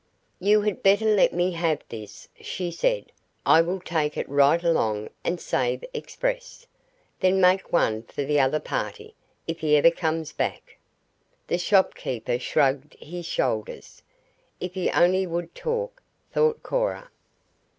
"You had better let me have this," she said. "I will take it right along and save express. Then make one for the other party, if he ever comes back." The shopkeeper shrugged his shoulders if he only would talk, thought Cora.